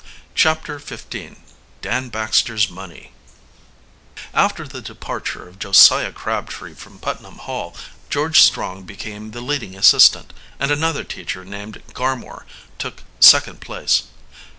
CHAPTER XV DAN BAXTER'S MONEY After the departure of Josiah Crabtree from Putnam Hall, George Strong became the leading assistant, and another teacher named Garmore took second place.